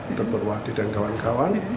dokter perwadi dan kawan kawan